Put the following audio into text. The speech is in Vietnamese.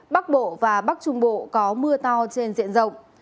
bắc bộ và bắc trung bộ có mưa to trên diện rộng